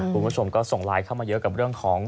คุณผู้ชมก็ส่งไลน์เข้ามาเยอะกับเรื่องของ